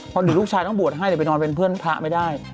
พอถึงลูกชายต้องบวชให้ไฟนอนเบนเพื่อนภรรภ์ไม่ได้